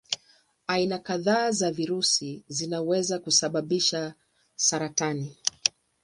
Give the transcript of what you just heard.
Aina kadhaa za virusi zinaweza kusababisha saratani.